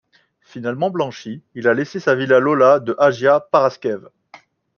Finalement blanchi, il a laissé sa villa Iolas de Agia Paraskev.